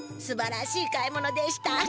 すばらしい買い物でした。